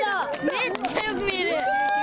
めっちゃよく見える。